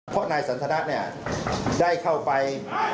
พ่อนายสันทนาได้เข้าไป